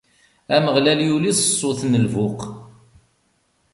Ameɣlal yuli s ṣṣut n lbuq.